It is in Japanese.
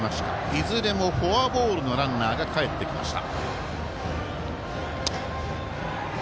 いずれもフォアボールのランナーがかえってきました。